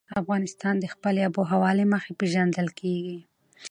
افغانستان د خپلې آب وهوا له مخې پېژندل کېږي.